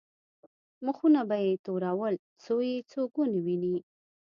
مخونه به یې تورول څو یې څوک ونه ویني.